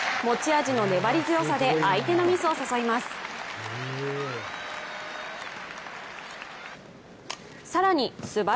持ち味の粘り強さで相手のミスを誘います。